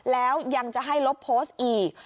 แล้วยังจะให้ลบโพสต์อีก